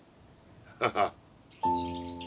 ハハッ。